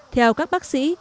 theo các bác sĩ